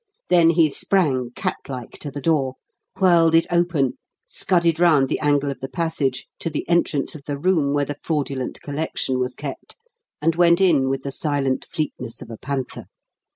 Then he sprang cat like to the door, whirled it open, scudded round the angle of the passage to the entrance of the room where the fraudulent collection was kept, and went in with the silent fleetness of a panther.